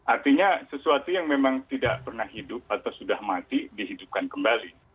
artinya sesuatu yang memang tidak pernah hidup atau sudah mati dihidupkan kembali